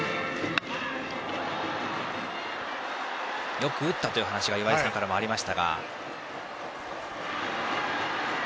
よく打ったというお話が岩井さんからもありました。